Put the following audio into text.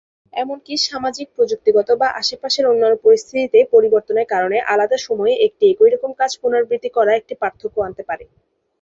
এমনকি সামাজিক, প্রযুক্তিগত বা আশেপাশের অন্যান্য পরিস্থিতিতে পরিবর্তনের কারণে আলাদা সময়ে একটি একইরকম কাজ পুনরাবৃত্তি করা একটি পার্থক্য আনতে পারে।